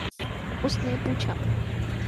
اس نے پوچھا